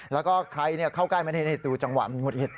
แล้วก็ใครเข้าใกล้ไหมนี่ดูจังหวะมันหุดหิด